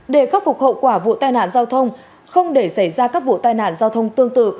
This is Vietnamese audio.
để khắc phục hậu quả vụ tai nạn giao thông không để xảy ra các vụ tai nạn giao thông tương tự